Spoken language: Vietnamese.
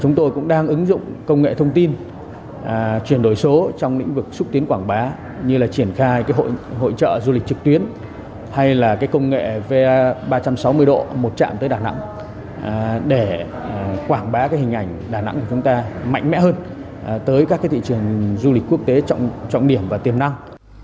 chúng tôi cũng đang ứng dụng công nghệ thông tin chuyển đổi số trong lĩnh vực xúc tiến quảng bá như là triển khai hội trợ du lịch trực tuyến hay là công nghệ v ba trăm sáu mươi độ một chạm tới đà nẵng để quảng bá hình ảnh đà nẵng của chúng ta mạnh mẽ hơn tới các thị trường du lịch quốc tế trọng điểm và tiềm năng